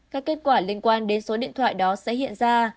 các kết quả liên quan đến số điện thoại đó sẽ hiện ra